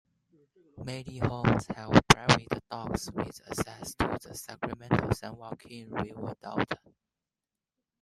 Many homes have private docks with access to the Sacramento-San Joaquin River Delta.